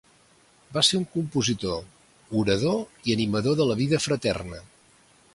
Va ser un compositor, orador i animador de la vida fraterna.